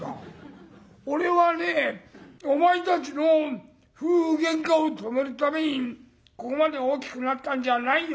俺はねお前たちの夫婦喧嘩を止めるためにここまで大きくなったんじゃないよ。